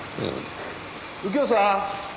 右京さん。